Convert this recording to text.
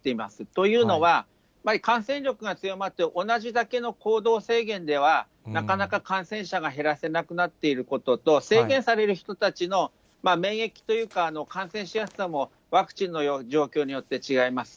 というのは、感染力が強まって、同じだけの行動制限では、なかなか感染者が減らせなくなっていることと、制限される人たちの免疫というか、感染しやすさもワクチンの状況によって違います。